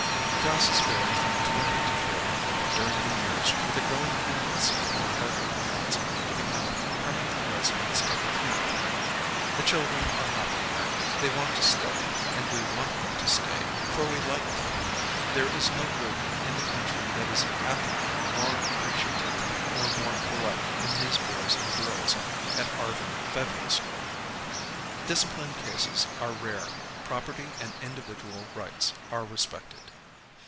Classes vary from twenty to forty during the years with a growing tendency on the part of parents to become permanent residents of the camp. The children are happy here. They want to stay, and we want them to stay for we like them. There is no group in the county that is hap pier, more appreciative, or more polite than these boys and girls at Arvin Federal School. Discipline cases are rare. Property and indi vidual rights are respected.